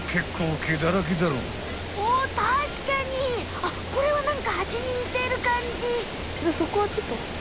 あっこれはなんかハチに似てるかんじ！